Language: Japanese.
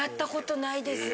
ないですね。